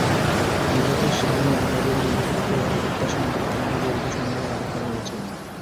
নিহতের স্বামী আমিরুল মণ্ডলকে হত্যার সঙ্গে জড়িত সন্দেহে আটক করা হয়েছে।